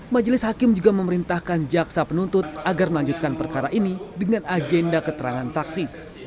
majelis hakim juga memerintahkan jaksa penuntut agar melanjutkan perkara ini dengan agenda keterangan saksi